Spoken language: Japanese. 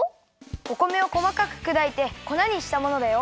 お米をこまかくくだいて粉にしたものだよ。